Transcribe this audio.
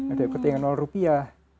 ada ukt yang nol rupiah